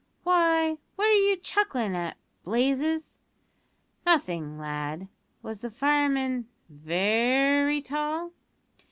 "Why, what are you chucklin' at, Blazes?" "Nothing, lad. Was the fireman very tall?"